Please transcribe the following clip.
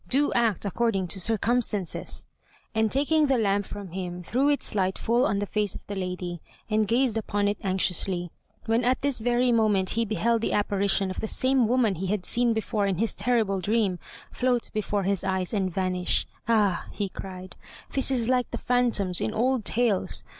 "Do act according to circumstances," and taking the lamp from him threw its light full on the face of the lady, and gazed upon it anxiously, when at this very moment he beheld the apparition of the same woman he had seen before in his terrible dream, float before his eyes and vanish. "Ah!" he cried, "this is like the phantoms in old tales.